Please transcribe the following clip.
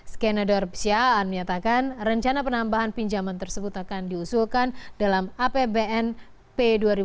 skenador psyaan menyatakan rencana penambahan pinjaman tersebut akan diusulkan dalam apbn p dua ribu tujuh belas